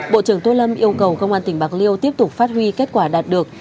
bộ trưởng tô lâm yêu cầu công an tỉnh bạc liêu tiếp tục phát huy kết quả đạt được